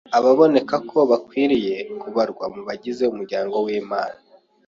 Ababoneka ko bakwiriye kubarwa mu bagize umuryango w’Imana